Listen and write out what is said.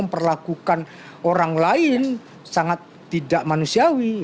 memperlakukan orang lain sangat tidak manusiawi